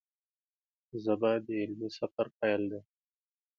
ژبه د علمي سفر پیل دی